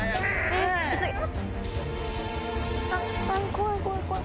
怖い怖い怖い。